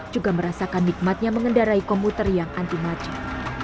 juga merasakan nikmatnya mengendarai komuter yang anti macet